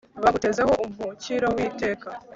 bagutezeho umukiro w'iteka